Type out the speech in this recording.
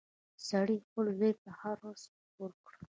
سړي خپل زوی په خره سپور کړ.